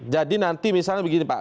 jadi nanti misalnya begini pak